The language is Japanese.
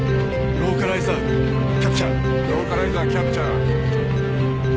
ローカライザーキャプチャー。